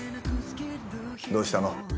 どうしたの？